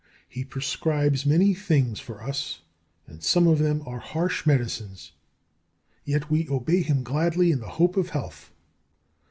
He prescribes many things for us, and some of them are harsh medicines. Yet we obey him gladly in the hope of health.